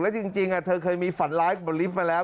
จริงเธอเคยมีฝันร้ายบนลิฟต์มาแล้ว